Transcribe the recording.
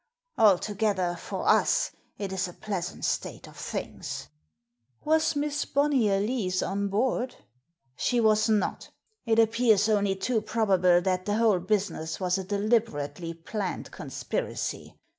Altogether, for us, it is a pleasant state of things !"" Was Miss Bonnyer Lees on board ?"She was not It appears only too probable that the whole business was a deliberately planned con spiracy.